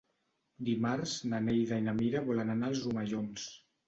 Dimarts na Neida i na Mira volen anar als Omellons.